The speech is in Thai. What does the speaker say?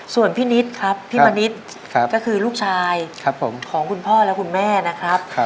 ส่วนพี่นิดครับพี่มณิษฐ์ก็คือลูกชายของคุณพ่อและคุณแม่นะครับ